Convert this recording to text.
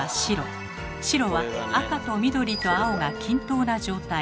白は赤と緑と青が均等な状態。